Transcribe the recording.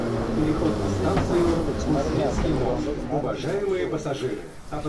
nuko igihugu kimara imyaka mirongo inani mu mutuzo